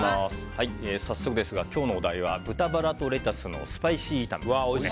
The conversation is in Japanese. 早速ですが今日のお題は豚バラとレタスのスパイシー炒めです。